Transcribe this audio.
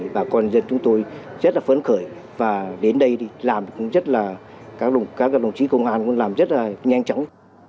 bà con dân chúng tôi rất là phấn khởi và đến đây các đồng chí công an cũng làm rất là nhanh chóng